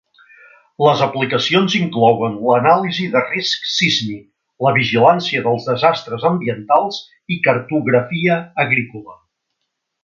Les aplicacions inclouen l'anàlisi de risc sísmic, la vigilància dels desastres ambientals i cartografia agrícola.